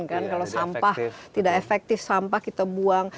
kalau sampah tidak efektif sampah kita buang